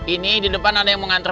ini di depan ada yang mengantri